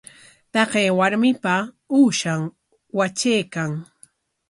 Taqay warmi uushan watraykan.